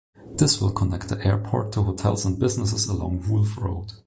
This will connect the airport to hotels and businesses along Wolf Road.